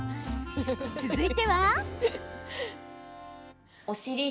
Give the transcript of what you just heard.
続いては。